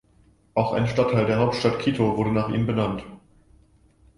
Auch ein Stadtteil in der Hauptstadt Quito wurde nach ihm benannt.